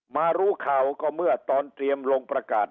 รู้ข่าวก็เมื่อตอนเตรียมลงประกาศ